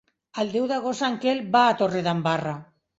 El deu d'agost en Quel va a Torredembarra.